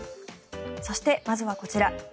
そしてまずはこちら。